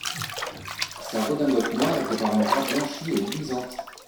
Sa redingote noire était par endroits blanchie et luisante.